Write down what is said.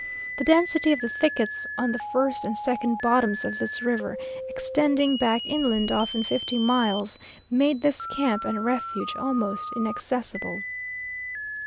The density of the thickets on the first and second bottoms of this river, extending back inland often fifty miles, made this camp and refuge almost inaccessible.